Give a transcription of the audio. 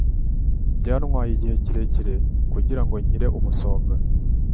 Byantwaye igihe kirekire kugira ngo nkire umusonga.